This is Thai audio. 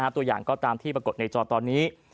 ตัวอย่างก็ตามที่ปรากฏในจอตอนนี้